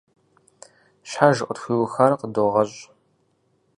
Щхьэж къытхуиухар къыдогъэщӀ.